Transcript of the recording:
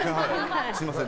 すみません。